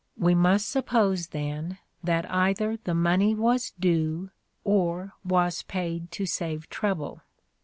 We must suppose then that either the money was due or was paid to save trouble.